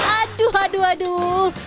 aduh aduh aduh